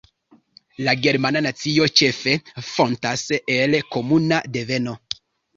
La germana nacio ĉefe fontas el komuna deveno.